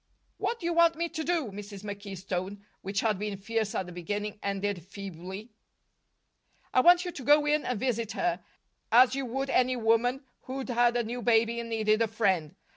"What do you want me to do?" Mrs. McKee's tone, which had been fierce at the beginning, ended feebly. "I want you to go in and visit her, as you would any woman who'd had a new baby and needed a friend.